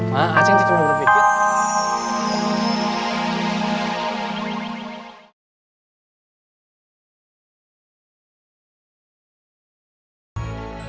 mak jangan berusaha terus sama atsheng